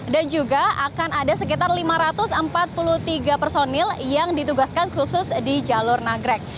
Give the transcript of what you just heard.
dan juga akan ada sekitar lima ratus empat puluh tiga personil yang ditugaskan khusus di jalo nagrek